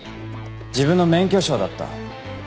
自分の免許証だった。